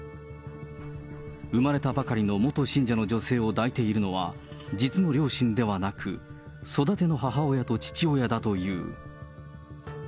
産まれたばかりの元信者の女性を抱いているのは、実の両親ではなく、育ての母親と父親だという。